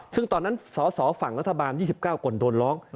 ซึ่งตอนนั้นสสฝั่งรัฐบาล๒๙คนโดนร้อง